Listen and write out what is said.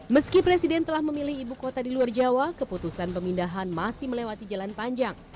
meski presiden telah memilih ibu kota di luar jawa keputusan pemindahan masih melewati jalan panjang